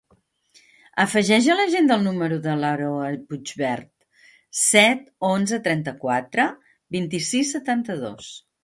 Afegeix a l'agenda el número de l'Aroa Puigvert: set, onze, trenta-quatre, vint-i-sis, setanta-dos.